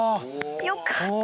よかった！